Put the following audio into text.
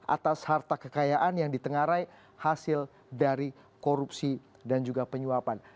atas harta kekayaan yang ditengarai hasil dari korupsi dan juga penyuapan